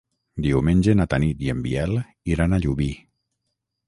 Diumenge na Tanit i en Biel iran a Llubí.